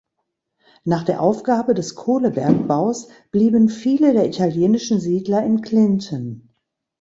Nach der Aufgabe des Kohlebergbaus blieben viele der italienischen Siedler in Clinton.